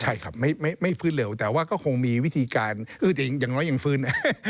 ใช่ครับไม่ฟื้นเร็วแต่ว่าก็คงมีวิธีการแต่อย่างน้อยยังฟื้น